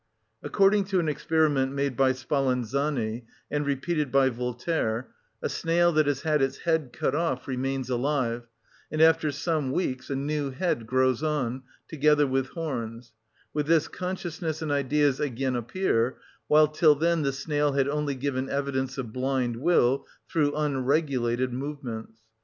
According to an experiment made by Spallanzani and repeated by Voltaire,(35) a snail that has had its head cut off remains alive, and after some weeks a new head grows on, together with horns; with this consciousness and ideas again appear; while till then the snail had only given evidence of blind will through unregulated movements.